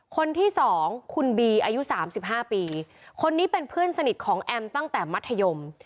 คนที่สองคุณบีอายุสามสิบห้าปีคนนี้เป็นเพื่อนสนิทของแอมตั้งแต่มัธยม